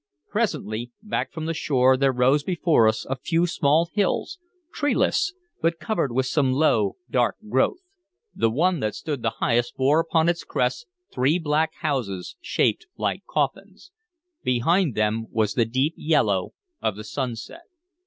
Presently, back from the shore, there rose before us a few small hills, treeless, but covered with some low, dark growth. The one that stood the highest bore upon its crest three black houses shaped like coffins. Behind them was the deep yellow of the sunset.